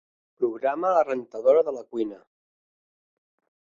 Programa la rentadora de la cuina.